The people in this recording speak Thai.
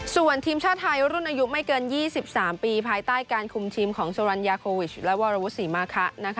ส่วนทีมชาติไทยรุ่นอายุไม่เกิน๒๓ปีภายใต้การคุมทีมของสุรรณยาโควิชและวรวุศรีมาคะ